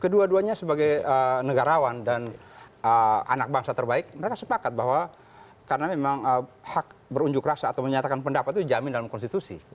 kedua duanya sebagai negarawan dan anak bangsa terbaik mereka sepakat bahwa karena memang hak berunjuk rasa atau menyatakan pendapat itu dijamin dalam konstitusi